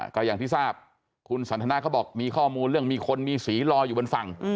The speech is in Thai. ก็อย่างที่ทราบคุณสันทนาเขาบอกมีข้อมูลเรื่องมีคนมีสีรออยู่บนฝั่ง